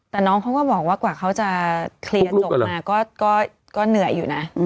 แต่น้องเขาก็บอกว่ากว่าเขาจะเคลียร์จบมาก็เหนื่อยอยู่นะ